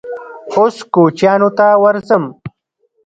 _اوس کوچيانو ته ورځم.